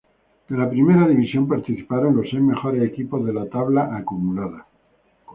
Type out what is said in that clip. De la primera división participaron los seis mejores equipos de la tabla acumulada.